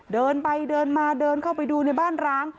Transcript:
เดินไปเดินมาเดินเข้าไปดูในบ้านร้าง